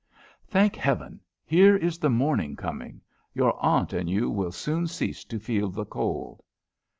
Thank Heaven, here is the morning coming. Your aunt and you will soon cease to feel the cold."